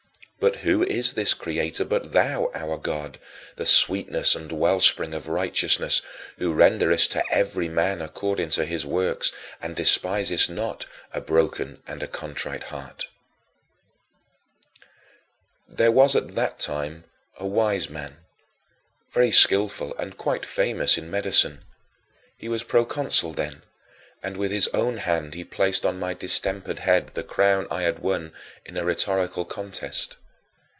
But who is this Creator but thou, our God, the sweetness and wellspring of righteousness, who renderest to every man according to his works and despisest not "a broken and a contrite heart"? 5. There was at that time a wise man, very skillful and quite famous in medicine. He was proconsul then, and with his own hand he placed on my distempered head the crown I had won in a rhetorical contest.